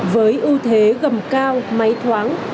với ưu thế gầm cao máy thoáng